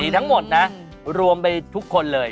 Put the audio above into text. ทั้งหมดนะรวมไปทุกคนเลย